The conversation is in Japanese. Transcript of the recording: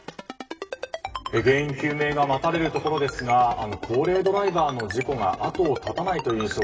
原因究明が待たれるところですが高齢ドライバーの事故が後を絶たないという印象